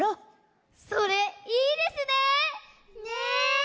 それいいですね。ね。